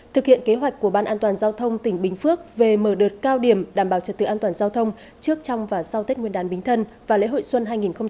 thực hiện kế hoạch của ban an toàn giao thông tỉnh bình phước về mở đợt cao điểm đảm bảo trật tự an toàn giao thông trước trong và sau tết nguyên đán bính thân và lễ hội xuân hai nghìn hai mươi bốn